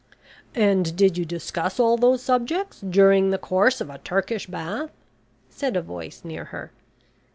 "And did you discuss all those subjects during the course of a Turkish Bath?" said a voice near her.